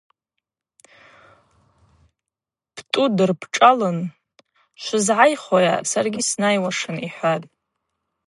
Птӏу дырпшӏалын: – Швызгӏайхуайа, саргьи снайуашын, – йхӏватӏ.